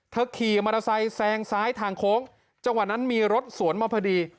ขี่มอเตอร์ไซค์แซงซ้ายทางโค้งจังหวะนั้นมีรถสวนมาพอดี